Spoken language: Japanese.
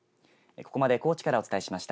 ここまで高知からお伝えしました。